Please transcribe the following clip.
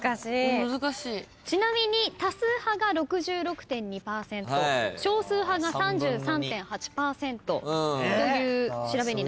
ちなみに多数派が６６．２％少数派が３３．８％という調べになっております。